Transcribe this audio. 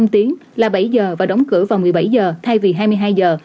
một năm tiếng là bảy h và đóng cửa vào một mươi bảy h thay vì hai mươi hai h